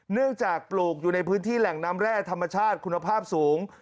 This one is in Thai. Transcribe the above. เนื่องจากปลูกอยู่ในพื้นที่แหล่งน้ำแร่ธรรมชาติคุณภาพสูง